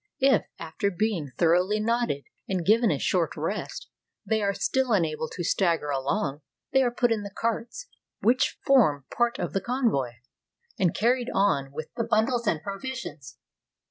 If, after being thoroughly knouted, and given a short rest, they are still unable to stagger along, they are put in the carts which form part of the convoy, and carried on with the bundles and provisions.